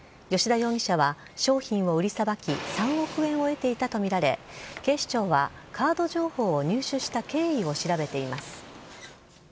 吉田容疑者は、商品を売りさばき、３億円を得ていたと見られ、警視庁は、カード情報を入手した経緯を調べています。